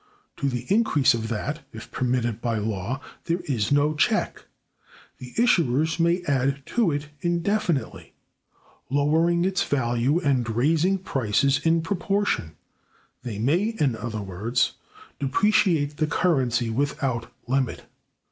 To the increase of that (if permitted by law) there is no check. The issuers may add to it indefinitely, lowering its value and raising prices in proportion; they may, in other words, depreciate the currency without limit.